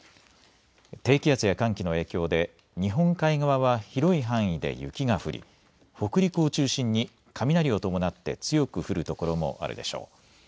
低気圧や寒気の影響で日本海側は広い範囲で雪が降り北陸を中心に雷を伴って強く降る所もあるでしょう。